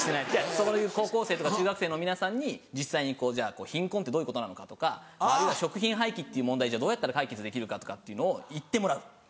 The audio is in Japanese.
そういう高校生とか中学生の皆さんに実際に貧困ってどういうことなのかとかあるいは食品廃棄っていう問題どうやったら解決できるかとかっていうのを行ってもらう。